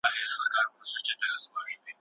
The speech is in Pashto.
زه کولای سم ونې ته اوبه ورکړم.